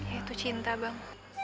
yaitu cinta bang